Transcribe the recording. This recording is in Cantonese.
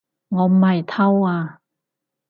我唔係偷啊